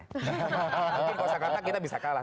mungkin kalau salah kata kita bisa kalah